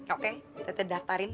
oke teteh daftarin